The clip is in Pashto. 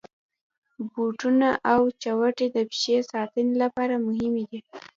بوټونه او چوټي د پښې ساتني لپاره مهمي دي.